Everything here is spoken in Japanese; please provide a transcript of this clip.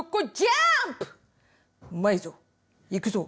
うまいぞ行くぞ！